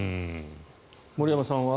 森山さんは？